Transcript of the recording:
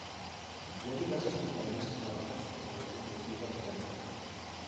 Hi ha diverses companyies que fabriquen sortidors de combustible a tot el món.